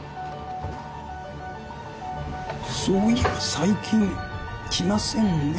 そういえば最近来ませんね